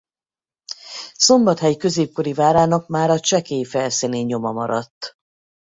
Szombathely középkori várának mára csekély felszíni nyoma maradt.